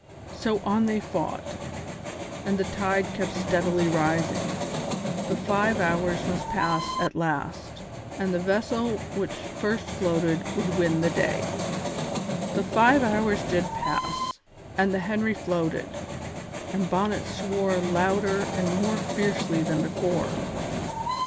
So on they fought, and the tide kept steadily rising. The five hours must pass at last, and the vessel which first floated would win the day. The five hours did pass, and the Henry floated, and Bonnet swore louder and more fiercely than before.